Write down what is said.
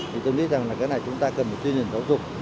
thì tôi nghĩ rằng là cái này chúng ta cần một chuyên nghiệp giáo dục